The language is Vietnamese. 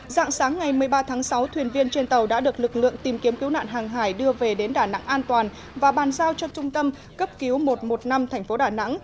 dạng sáng ngày một mươi ba tháng sáu thuyền viên trên tàu đã được lực lượng tìm kiếm cứu nạn hàng hải đưa về đến đà nẵng an toàn và bàn giao cho trung tâm cấp cứu một trăm một mươi năm tp đà nẵng